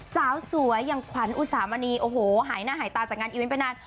สาวสวยอย่างขวัญอุสามณีโอ้โหหายหน้าหายตาจากงานอีเวนต์ไปนาน